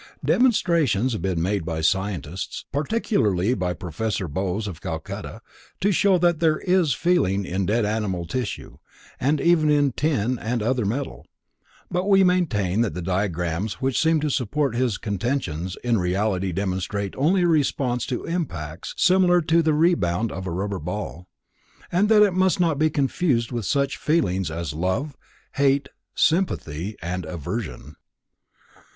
Demonstrations have been made by scientists, particularly by Professor Bose of Calcutta, to show that there is feeling in dead animal tissue and even in tin and other metal, but we maintain that the diagrams which seem to support his contentions in reality demonstrate only a response to impacts similar to the rebound of a rubber ball, and that must not be confused with such feelings as love, hate, sympathy and aversion.